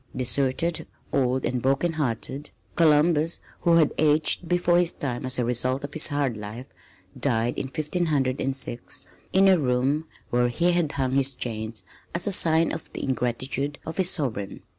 Deserted, old and broken hearted, Columbus, who had aged before his time as a result of his hard life, died in 1506 in a room where he had hung his chains as a sign of the ingratitude of his sovereign.